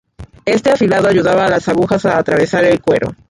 Este afilado ayudaba a las agujas a atravesar el cuero.